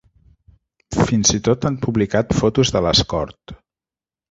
Fins i tot han publicat fotos de l'Escort.